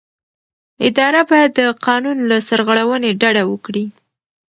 اداره باید د قانون له سرغړونې ډډه وکړي.